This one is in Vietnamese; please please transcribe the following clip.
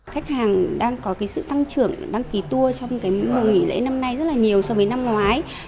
khách hàng đang có cái sự tăng trưởng đăng ký tour trong cái mùa nghỉ lễ năm nay rất là nhiều so với năm ngoái